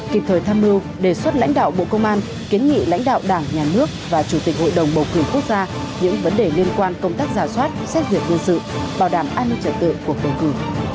kịp thời tham mưu đề xuất lãnh đạo bộ công an kiến nghị lãnh đạo đảng nhà nước và chủ tịch hội đồng bầu cử quốc gia những vấn đề liên quan công tác giả soát xét duyệt nhân sự bảo đảm an ninh trật tự cuộc bầu cử